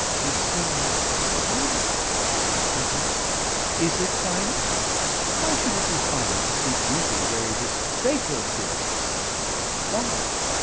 "We see finer." "Do we? Is it finer? Why should it be finer to see beauty where it is fatal to us to see it? Why?